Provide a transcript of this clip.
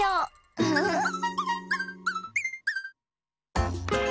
ウフフッ！